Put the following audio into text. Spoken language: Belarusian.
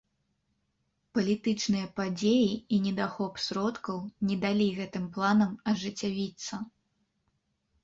Палітычныя падзеі і недахоп сродкаў не далі гэтым планам ажыццявіцца.